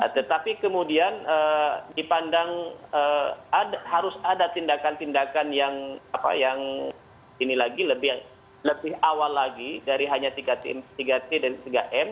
tetapi kemudian dipandang harus ada tindakan tindakan yang ini lagi lebih awal lagi dari hanya tiga t dan tiga m